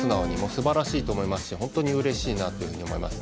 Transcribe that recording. すばらしいと思いますし本当にうれしいなと思います。